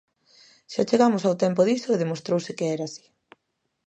Xa chegamos ao tempo diso e demostrouse que era así.